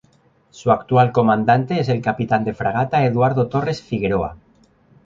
Su actual comandante es el capitán de Fragata Eduardo Torres Figueroa.